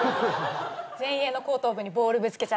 前衛の後頭部にボールぶつけちゃった。